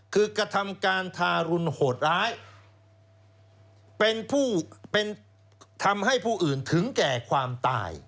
คือกระทำการทารุณโหดร้ายเป็นผู้เป็นทำให้ผู้อื่นถึงแก่ความตาย